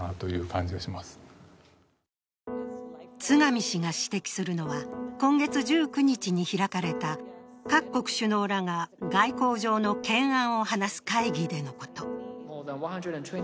津上氏が指摘するのは、今月１９日に開かれた各国首脳らが外交上の懸案を話す会議でのこと。